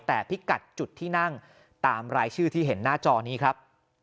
แต่พิกัดจุดที่นั่งตามรายชื่อที่เห็นหน้าจอนี้ครับ